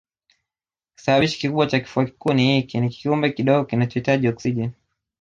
Kisababishi kikubwa cha kifua kikuu ni hiiki ni kiumbe kidogo kinachohitaji oksijeni